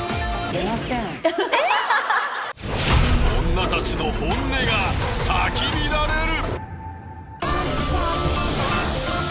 女たちの本音が咲き乱れる。